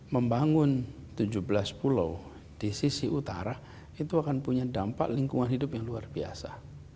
membangun tujuh belas pulau di sisi utara itu akan punya dampak lingkungan hidup yang luar biasa